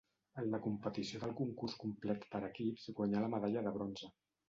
En la competició del concurs complet per equips guanyà la medalla de bronze.